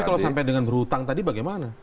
tapi kalau sampai dengan berhutang tadi bagaimana